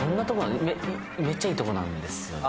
めっちゃいいとこなんですよね？